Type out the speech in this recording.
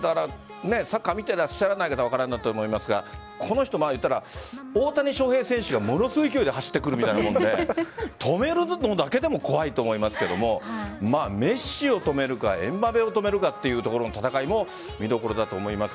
サッカー見ていらっしゃらない方は分からないと思いますがこの人、大谷翔平選手がすごい勢いで走ってくるみたいなもので止めるのだけでも怖いと思いますがメッシを止めるかエムバペを止めるかというところの戦いも見どころだと思います。